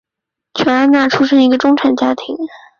琼安娜出生于一个中产家庭。